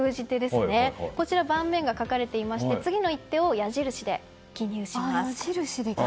盤面が書かれていまして次の一手を矢印で記入します。